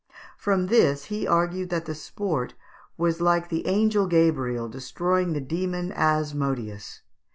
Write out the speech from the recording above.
From this he argued that the sport was like the angel Gabriel destroying the demon Asmodeus.